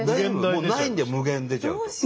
もうないんだよ無限出ちゃうと。